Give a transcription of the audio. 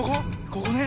ここね。